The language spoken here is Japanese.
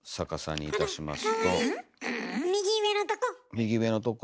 右上のとこ！